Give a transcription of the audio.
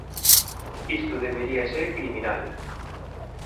Isto debería ser criminal".